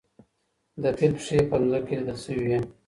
د فیل پښې په ځمکه کې لیدل سوي وې.